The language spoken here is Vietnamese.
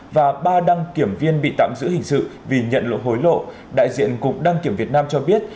và ba đăng kiểm viên bị tạm giữ hình sự vì nhận lộ hối lộ đại diện cục đăng kiểm việt nam cho biết